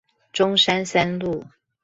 中山三路